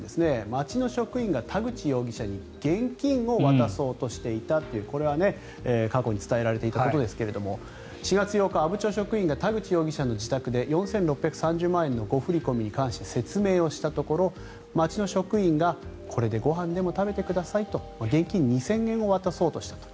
町の職員が田口容疑者に現金を渡そうとしていたというこれは過去に伝えられていたことですが４月８日阿武町職員が田口容疑者の自宅で４６３０万円の誤振り込みに関して説明をしたところ町の職員がこれでご飯でも食べてくださいと現金２０００円を渡そうとしたと。